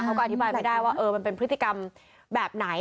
เขาก็อธิบายไม่ได้ว่ามันเป็นพฤติกรรมแบบไหน